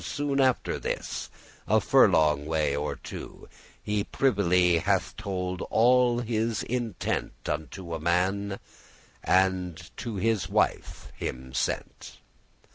Soon after this, a furlong way or two,<8> He privily hath told all his intent Unto a man, and to his wife him sent.